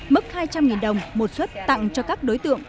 mức hai trăm linh đồng một xuất tặng cho các đối tượng